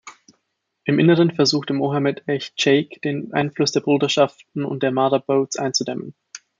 Im Inneren versuchte Mohammed ech-Cheikh den Einfluss der Bruderschaften und der Marabouts einzudämmen.